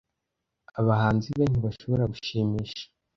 Abahanzi be ntibashobora gushimisha;